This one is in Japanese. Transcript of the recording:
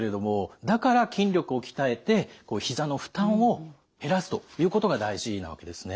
だから筋力を鍛えてひざの負担を減らすということが大事なわけですね。